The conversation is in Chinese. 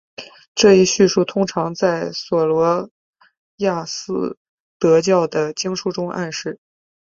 这一叙述通常在琐罗亚斯德教的经书中暗示。